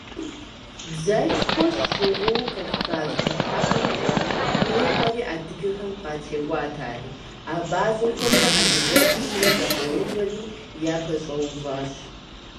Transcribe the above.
Дзэшхуэ щӏыгъуу Кавказ Къухьэпӏэмкӏэ къихьэри, адыгэхэм къатеуат ари, абазэхэмрэ адыгэпщымрэ зэкъуэувэри, япэщӏэуващ.